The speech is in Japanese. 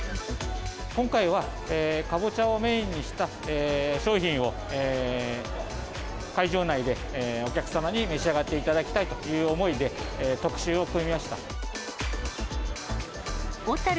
今回はカボチャをメインにした商品を会場内でお客様に召し上がっていただきたいという思いで特集を組みました。